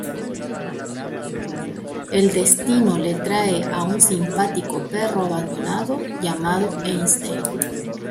El destino le trae a un simpático perro abandonado llamado Einstein.